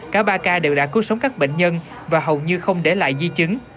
cả ba ca đều đã cứu sống các bệnh nhân và hầu như không để lại di chứng